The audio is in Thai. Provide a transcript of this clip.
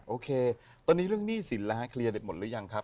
โอเคตอนนี้เรื่องหนี้สินแล้วฮะเคลียร์ได้หมดหรือยังครับ